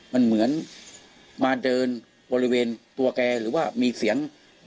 มันเหมือนมาเดินบริเวณตัวแกหรือว่ามีเสียง